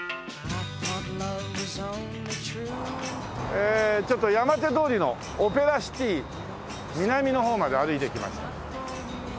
ええちょっと山手通りのオペラシティ南の方まで歩いてきました。